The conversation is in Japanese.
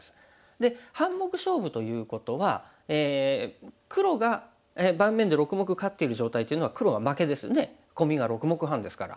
で半目勝負ということは黒が盤面で６目勝ってる状態っていうのは黒が負けですのでコミが６目半ですから。